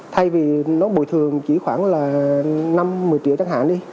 thay vì nó bồi thường chỉ khoảng là năm một mươi triệu chẳng hạn đi